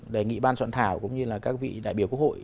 đề nghị ban soạn thảo cũng như là các vị đại biểu quốc hội